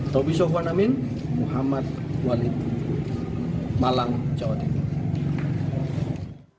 tobi soekarnamin muhammad walid malang jawa tenggara